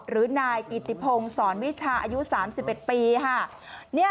หรือนายกิติพงศ์สอนวิชาอายุ๓๑ปี